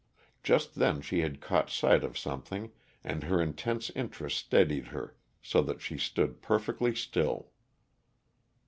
Just then she had caught sight of something, and her intense interest steadied her so that she stood perfectly still.